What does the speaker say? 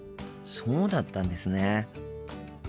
そうだったんですね。